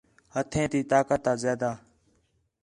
ہتھیں تی طاقت آ زیادہ